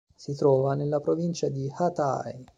Si trova nella provincia di Hatay.